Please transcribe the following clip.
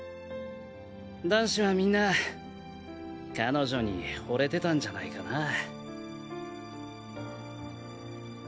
男子はみんな彼女にホレてたんじゃないかなぁ。